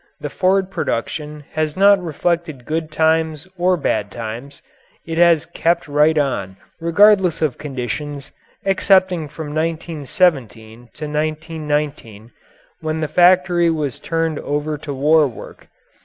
The Ford production has not reflected good times or bad times; it has kept right on regardless of conditions excepting from 1917 to 1919, when the factory was turned over to war work.